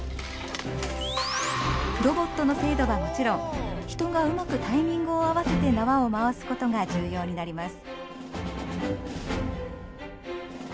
ロボットの精度はもちろん人がうまくタイミングを合わせて縄を回すことが重要になります。